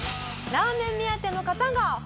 「ラーメン目当ての方がほとんど！」